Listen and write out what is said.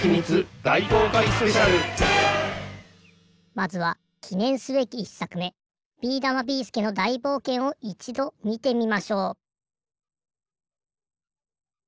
まずはきねんすべき１さくめ「ビーだま・ビーすけの大冒険」をいちどみてみましょう。